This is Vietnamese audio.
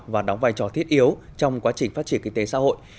và đóng vai trò thiết yếu trong quá trình phát triển kinh tế xã hội